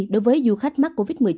đối với du khách mắc covid một mươi chín